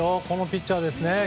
このピッチャーですね。